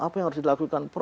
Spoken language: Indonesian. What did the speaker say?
apa yang harus dilakukan